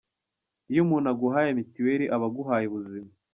Iyo umuntu aguhaye mitiweli aba aguhaye ubuzima.